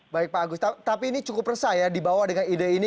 baik pak agus tapi ini cukup resah ya dibawa dengan ide ini